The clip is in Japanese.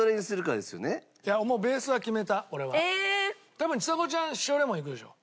多分ちさ子ちゃん塩レモンいくでしょ？